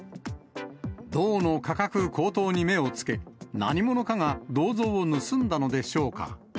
銅の価格高騰に目をつけ、何者かが銅像を盗んだのでしょうか。